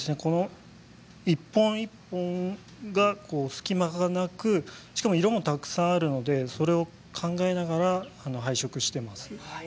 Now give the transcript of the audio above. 一本一本が隙間なく色もたくさんあるのでそれを考えながら配色しています。